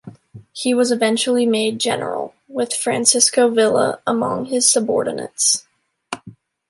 He was eventually made general, with Francisco Villa among his subordinates.